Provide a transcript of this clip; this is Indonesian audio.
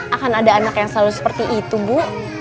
akan ada anak yang selalu seperti itu bu